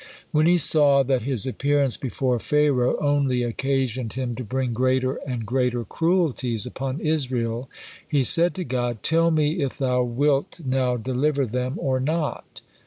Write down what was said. When he saw that his appearance before Pharaoh only occasioned him to bring greater and greater cruelties upon Israel, he said to God, "Tell me if Thou wilt now deliver them, or not."